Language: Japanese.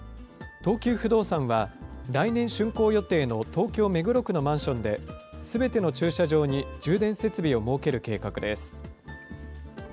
東急不動産は、来年しゅんこう予定の東京・目黒区のマンションで、すべての駐車場に充電設備を設ける計画です。